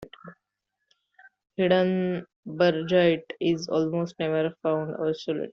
Hedenbergite is almost never found isolated.